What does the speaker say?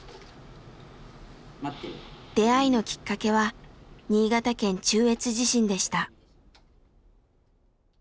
出会いのきっかけは新潟県中越地震でした。